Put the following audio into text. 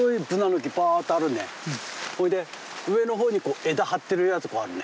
ほいで上のほうに枝張ってるやつあるね。